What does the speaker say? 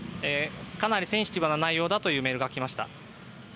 かなりセンシティブな内容だというメールが来ました。